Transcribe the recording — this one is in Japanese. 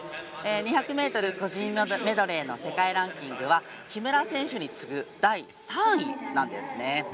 ２００ｍ個人メドレーの世界ランキングは木村選手に次ぐ第３位なんですね。